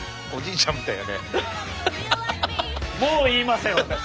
もう言いません私。